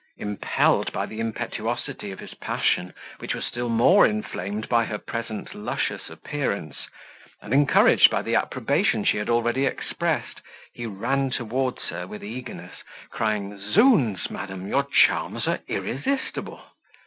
Impelled by the impetuosity of his passion, which was still more inflamed by her present luscious appearance, and encouraged by the approbation she had already expressed, he ran towards her with eagerness, crying, "Zounds! madam, your charms are irresistible!"